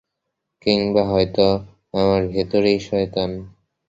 কিংবা হয়ত আমার ভেতরেই শয়তান।